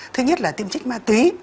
thứ nhất là tiêm chích ma túy